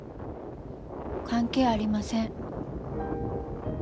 関係ありません。